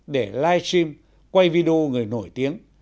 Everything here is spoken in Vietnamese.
để livestream quay video người nổi tiếng